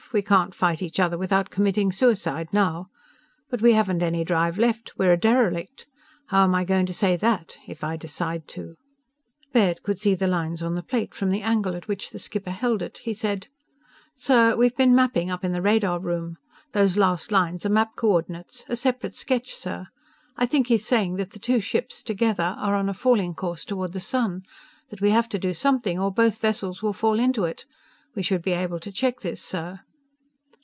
We can't fight each other without committing suicide, now. But we haven't any drive left! We're a derelict! How am I going to say that if I decide to?" Baird could see the lines on the plate, from the angle at which the skipper held it. He said: "Sir, we've been mapping, up in the radar room. Those last lines are map co ordinates a separate sketch, sir. I think he's saying that the two ships, together, are on a falling course toward the sun. That we have to do something or both vessels will fall into it. We should be able to check this, sir."